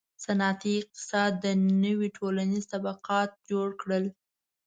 • صنعتي اقتصاد نوي ټولنیز طبقات جوړ کړل.